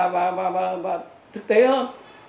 và thực tế hơn